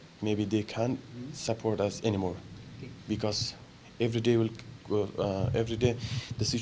ini membutuhkan dua atau tiga jam untuk kita datang ke indonesia